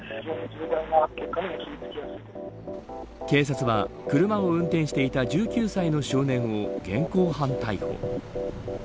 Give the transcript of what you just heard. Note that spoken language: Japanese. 警察は車を運転していた１９歳の少年を現行犯逮捕。